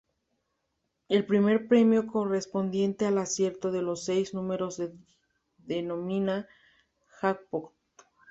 El primer premio correspondiente al acierto de los seis números se denomina "jackpot".